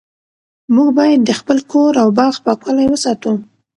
موږ باید د خپل کور او باغ پاکوالی وساتو